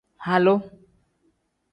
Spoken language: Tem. Halu.